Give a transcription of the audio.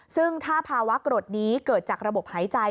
ซึ่งถ้าภาวะกรดนี้เกิดจากระบบหายใจ